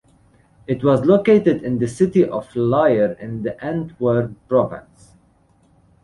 It was located in the city of Lier in the Antwerp province.